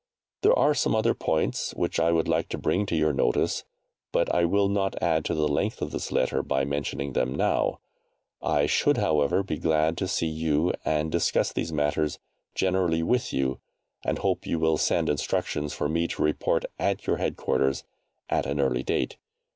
There are some other points which I would like to bring to your notice, but I will not add to the length of this letter by mentioning them now. I should, however, be very glad to see you, and discuss these matters generally with you, and hope you will send instructions for me to report at your headquarters at an early date.